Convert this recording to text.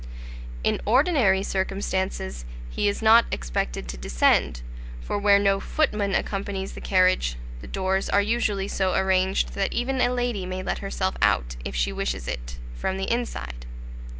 In ordinary circumstances, he is not expected to descend, for where no footman accompanies the carriage, the doors are usually so arranged that even a lady may let herself out, if she wishes it, from the inside.